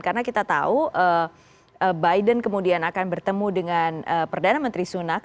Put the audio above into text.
karena kita tahu biden kemudian akan bertemu dengan perdana menteri sunak